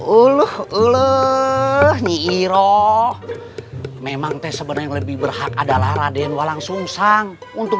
uluh uluh nyiroh memang teh sebenarnya lebih berhak adalah raden walang sungsang untuk